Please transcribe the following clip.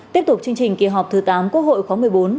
tiếp tục chương trình kỳ họp thứ tám quốc hội khóa một mươi bốn